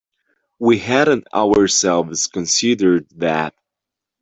We hadn't, ourselves, considered that.